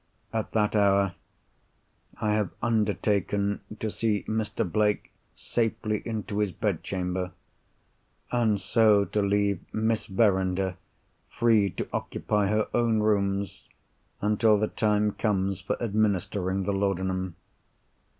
At that hour, I have undertaken to see Mr. Blake safely into his bedchamber; and so to leave Miss Verinder free to occupy her own rooms until the time comes for administering the laudanum.